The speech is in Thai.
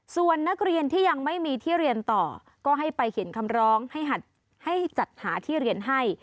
ส่วนนักเรียนที่ยังไม่มีที่เรียนต่อก็ให้ไปเขียนคำร้องให้จัดหาที่เรียนให้